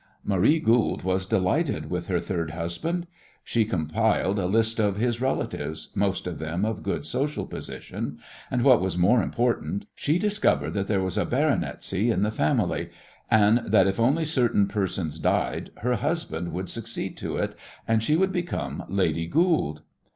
Marie Goold was delighted with her third husband. She compiled a list of his relatives, most of them of good social position, and, what was more important, she discovered there was a baronetcy in the family, and that if only certain persons died her husband would succeed to it and she would become Lady Goold!